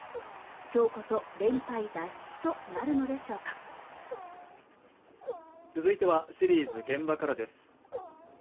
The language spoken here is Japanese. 今日こそ連敗脱出となるのでしょうか続いてはシリーズ「現場から」です